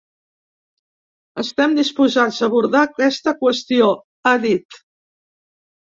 Estem disposats a abordar aquesta qüestió, ha dit.